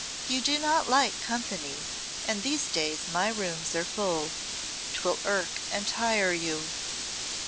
"You do not like company, and these days my rooms are full. 'Twill irk and tire you."